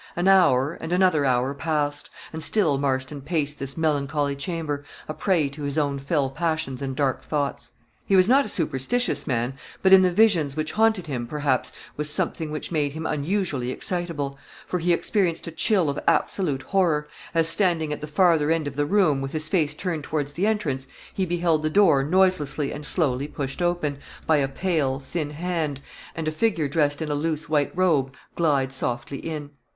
An hour, and another hour passed and still Marston paced this melancholy chamber, a prey to his own fell passions and dark thoughts. He was not a superstitious man, but, in the visions which haunted him, perhaps, was something which made him unusually excitable for, he experienced a chill of absolute horror, as, standing at the farther end of the room, with his face turned towards the entrance, he beheld the door noiselessly and slowly pushed open, by a pale, thin hand, and a figure dressed in a loose white robe, glide softly in.